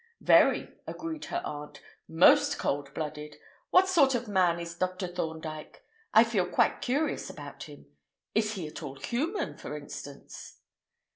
"Very," agreed her aunt. "Most cold blooded. What sort of man is Dr. Thorndyke? I feel quite curious about him. Is he at all human, for instance?"